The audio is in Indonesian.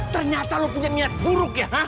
ternyata lo punya niat buruk ya kan